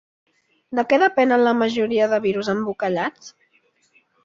De què depenen la majoria de virus embolcallats?